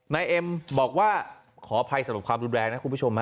นายเอ็มบอกว่าขออภัยสรุปความรุนแรงนะคุณผู้ชม